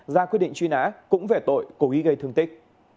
ra quyết định truy nã cũng về tội cố ý gây thương tích